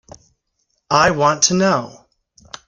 I want to know.